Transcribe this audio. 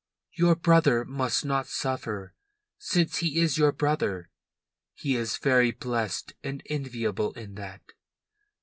Your brother must not suffer, since he is your brother. He is very blessed and enviable in that."